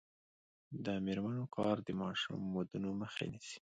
د میرمنو کار د ماشوم ودونو مخه نیسي.